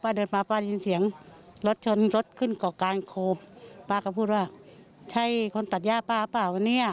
เดินมาป้าได้ยินเสียงรถชนรถขึ้นเกาะกลางโคมป้าก็พูดว่าใช่คนตัดย่าป้าเปล่าวะเนี่ย